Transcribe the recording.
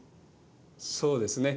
そうですね。